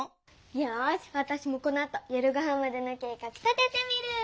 よしわたしもこのあと夜ごはんまでの計画立ててみる！